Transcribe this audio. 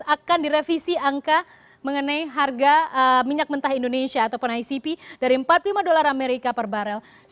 akan direvisi angka mengenai harga minyak mentah indonesia ataupun icp dari empat puluh lima dolar amerika per barel